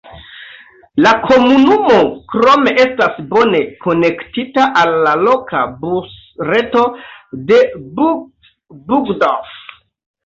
La komunumo krome estas bone konektita al la loka busreto de Burgdorf.